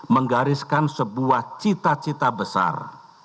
menggariskan sebuah cita cita besar